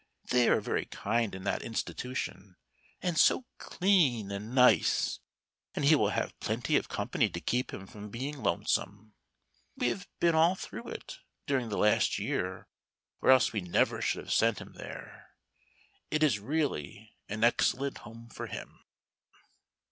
They are very kind in that institution, and so clean and nice, and he will have plenty of company to keep him from being lonesome. We have been all through it, during the last year, or else we never should have sent him there. It is really an excellent home for him."